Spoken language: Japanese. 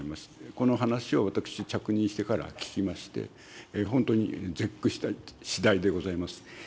この話を私、着任してから聞きまして、本当に絶句したしだいでございます。